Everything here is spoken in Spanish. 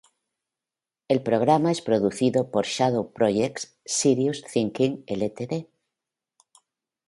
El programa es producido por Shadow Projects, Sirius Thinking Ltd.